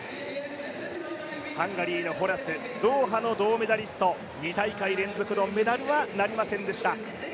ハンガリーのホラス、ドーハの銀メダリスト、２大会連続のメダルはなりませんでした。